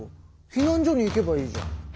避難所に行けばいいじゃん。